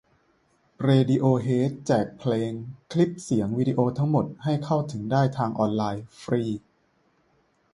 เรดิโอเฮด แจกเพลง คลิปเสียง วิดีโอทั้งหมด ให้เข้าถึงได้ทางออนไลน์ ฟรี